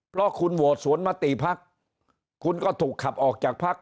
เพราะคุณโหวตสวนมติพักคุณก็ถูกขับออกจากพัก